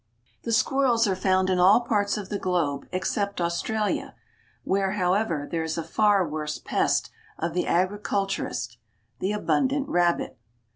The squirrels are found in all parts of the globe except Australia, where, however, there is a far worse pest of the agriculturist, the abundant rabbit.